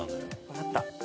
分かった。